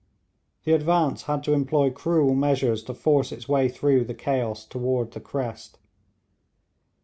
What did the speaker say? The advance had to employ cruel measures to force its way through the chaos toward the crest.